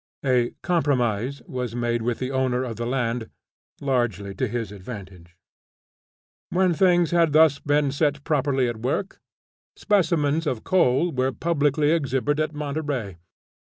A "compromise" was made with the owner of the land, largely to his advantage. When things had thus been set properly at work, specimens of coal were publicly exhibited at Monterey.